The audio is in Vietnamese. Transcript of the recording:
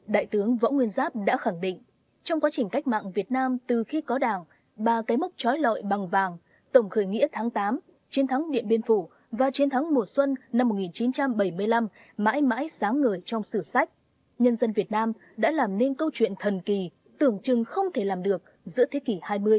đại tướng võ nguyên giáp đã khẳng định trong quá trình cách mạng việt nam từ khi có đảng ba cái mốc trói lọi bằng vàng tổng khởi nghĩa tháng tám chiến thắng điện biên phủ và chiến thắng mùa xuân năm một nghìn chín trăm bảy mươi năm mãi mãi sáng ngời trong sử sách nhân dân việt nam đã làm nên câu chuyện thần kỳ tưởng chừng không thể làm được giữa thế kỷ hai mươi